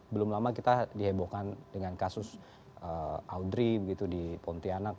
belum lama kita dihebohkan dengan kasus audrey begitu di pontianak